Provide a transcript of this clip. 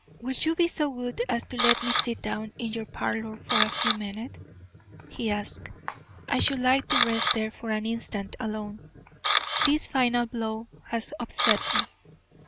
"Will you be so good as to let me sit down in your parlour for a few minutes?" he asked. "I should like to rest there for an instant alone. This final blow has upset me."